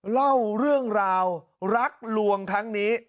เล่าเรื่องราวรักลวงครั้งนี้